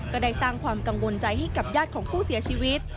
ก็ได้สร้างความกังวลใจให้กับญาติของผู้เสียชีวิต